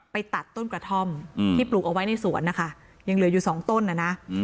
ไปตัดต้นกระท่อมที่ปลูกเอาไว้ในสวนนะคะยังเหลืออยู่สองต้นนะนะ